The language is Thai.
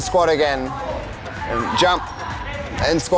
กล้ามอีก